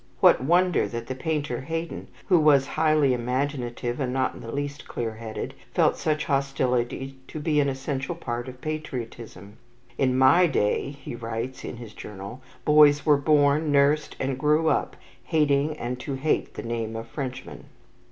What wonder that the painter Haydon, who was highly imaginative and not in the least clear headed, felt such hostility to be an essential part of patriotism? "In my day," he writes in his journal, "boys were born, nursed, and grew up, hating and to hate the name of Frenchman."